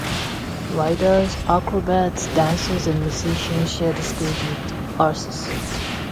Riders, acrobats, dancers and musicians share the stage with horses.